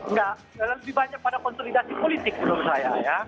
nggak lebih banyak pada konsolidasi politik menurut saya ya